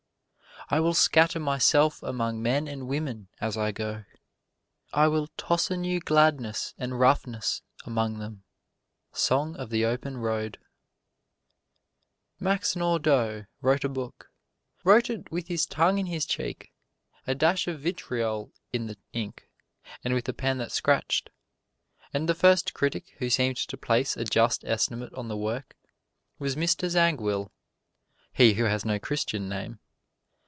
I will scatter myself among men and women as I go, I will toss a new gladness and roughness among them. Song of the Open Road [Illustration: WALT WHITMAN] Max Nordau wrote a book wrote it with his tongue in his cheek, a dash of vitriol in the ink, and with a pen that scratched. And the first critic who seemed to place a just estimate on the work was Mr. Zangwill (he who has no Christian name).